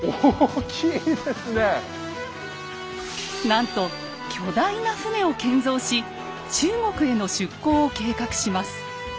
なんと巨大な船を建造し中国への出航を計画します。